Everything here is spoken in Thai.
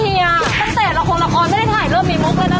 ตั้งแต่ละครละครไม่ได้ถ่ายเริ่มมีมุกแล้วนะ